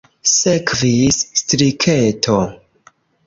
Sekvis striketo.